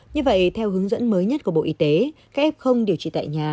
như vậy theo hướng dẫn mới nhất của bộ y tế các f không điều trị tại nhà